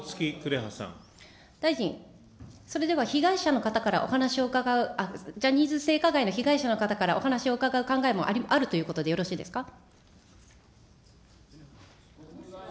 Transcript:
大臣、それでは被害者の方からお話を伺う、ジャニーズ性加害の被害者の方々からお話を伺う考えもあるということでよろしいですか。